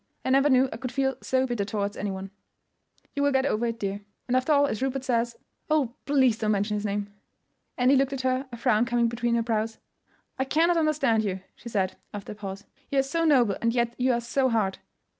"I never knew I could feel so bitter towards anyone." "You will get over it, dear, and, after all, as Rupert says——" "Oh, please don't mention his name!" Annie looked at her, a frown coming between her brows. "I cannot understand you," she said, after a pause. "You are so noble, and yet you are so hard.